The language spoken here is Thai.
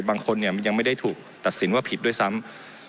บางคนเนี่ยมันยังไม่ได้ถูกตัดสินว่าผิดด้วยซ้ำ